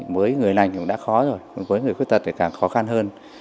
với người lành cũng đã khó rồi với người khuyết tật thì càng khó khăn hơn